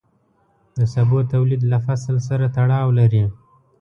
د سبو تولید له فصل سره تړاو لري.